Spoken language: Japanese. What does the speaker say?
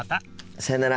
さようなら。